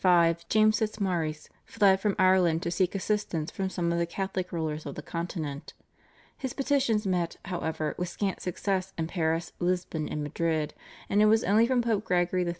In 1575 James Fitzmaurice fled from Ireland to seek assistance from some of the Catholic rulers of the Continent. His petitions met, however, with scant success in Paris, Lisbon, and Madrid, and it was only from Pope Gregory XIII.